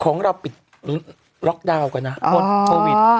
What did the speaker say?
ของเราปิดหรือล็อคดาวกันน่ะโอ้โห